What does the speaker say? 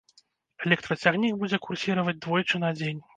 Электрацягнік будзе курсіраваць двойчы на дзень.